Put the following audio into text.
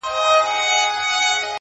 پر ما غټ دي د مُلا اوږده بوټونه -